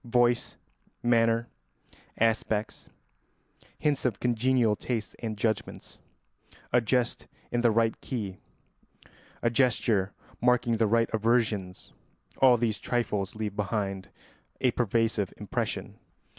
Voice, manner, aspect, hints of congenial tastes and judgments, a jest in the right key, a gesture marking the right aversions, all these trifles leave behind a pervasive impression.